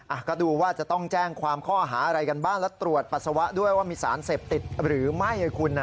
อ่ะก็ดูว่าจะต้องแจ้งความข้อหาอะไรกันบ้างและตรวจปัสสาวะด้วยว่ามีสารเสพติดหรือไม่ไงคุณนะ